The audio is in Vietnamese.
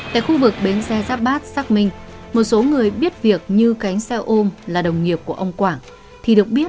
tại khu vực bến xe giáp bát xác minh một số người biết việc như cánh xe ôm là đồng nghiệp của ông quảng thì được biết